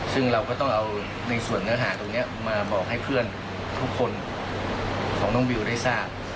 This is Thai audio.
ซึ่งเราก็ต้องเอาในส่วนเนื้อหาตรงนี้มาบอกให้เพื่อนทุกคนของน้องวิวได้ทราบ